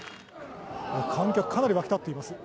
観客、かなり沸き立っています。